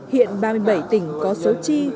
hiện ba mươi bảy tỉnh có số chi